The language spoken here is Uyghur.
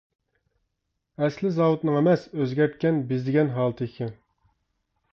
ئەسلى زاۋۇتنىڭ ئەمەس، ئۆزگەرتكەن بېزىگەن ھالىتى ئىكەن.